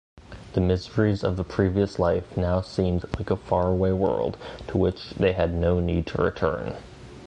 The miseries of the previous life now seemed like a faraway world to which they had no need to return.